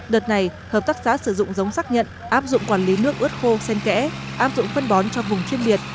đợt này hợp tác xã sử dụng giống xác nhận áp dụng quản lý nước ướt khô sen kẽ áp dụng phân bón cho vùng chuyên biệt